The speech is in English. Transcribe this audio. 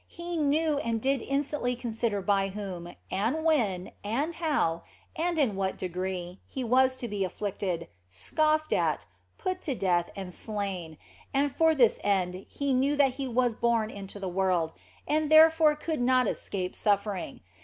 He knew and did con stantly consider by whom, and when, and how, and in what degree He was to be afflicted, scoffed at, put to 72 THE BLESSED ANGELA death and slain, and for this end He knew that He was born into the world, and therefore could not escape suffering.